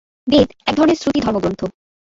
বেদ এক ধরনের শ্রুতি ধর্মগ্রন্থ।